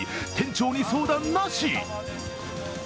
店長に相談なし。